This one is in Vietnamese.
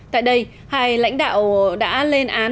tại đây hai lãnh đạo đã lên án